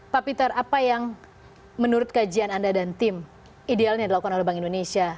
pak peter apa yang menurut kajian anda dan tim idealnya dilakukan oleh bank indonesia